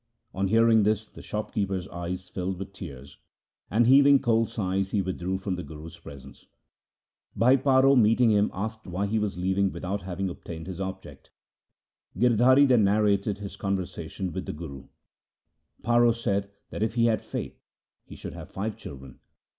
On hearing this the shop keeper's eyes filled with tears, and heaving cold sighs he withdrew from the Guru's presence. Bhai Paro meeting him asked why he was leaving without having obtained his object. Girdhari then narrated his conversation with the Guru. Paro said that if he had faith he should have five children.